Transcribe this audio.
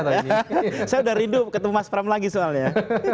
saya sudah rindu ketemu mas pram lagi soalnya